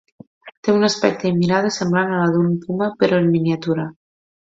Té un aspecte i mirada semblant a la d’un puma però en miniatura.